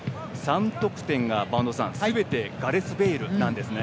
３得点が、すべてガレス・ベイル。